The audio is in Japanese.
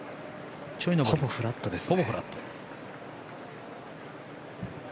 ほぼフラットですね。